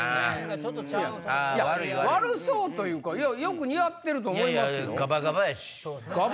悪そうというかよく似合ってると思いますよ。